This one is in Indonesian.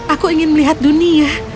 aku ingin melihat dunia